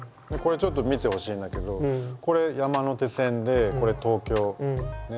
これちょっと見てほしいんだけどこれ山手線でこれ東京。